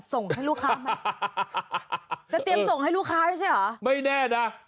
ส่งให้ลูกค้าแบบติดส่งให้ลูกค้าใช่หรือไม่แน่นะตาม